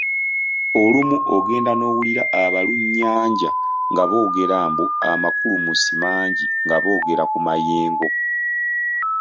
Olumu ogenda n’owulira abalunnyanja nga boogera mbu amakulumusi mangi nga boogera ku mayengo.